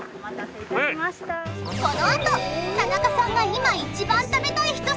このあと田中さんがいま一番食べたい一皿が登場！